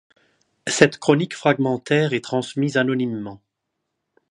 Cette chronique fragmentaire est transmise anonymement.